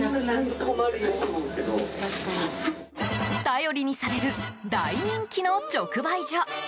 頼りにされる大人気の直売所。